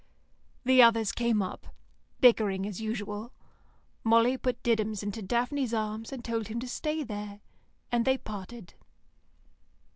The others came up, bickering as usual. Molly put Diddums into Daphne's arms and told him to stay there, and they parted.